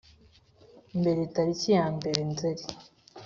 mbere tariki yambere Nzeri